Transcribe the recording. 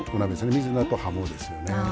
水菜と、はもですね。